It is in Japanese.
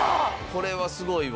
これはすごいわ。